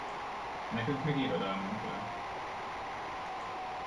Nekünk meg irodalmunk van!